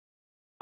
あ！